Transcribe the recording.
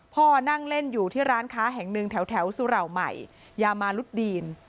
พ่อนั่งเล่นอยู่ที่ร้านค้าแห่งหนึ่งแถวสุเหล่าใหม่ยามารุดดีน